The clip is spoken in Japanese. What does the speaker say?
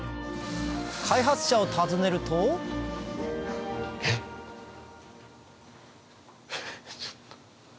開発者を訪ねるとえっちょっと。